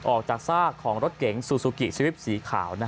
จากซากของรถเก๋งซูซูกิสวิปสีขาว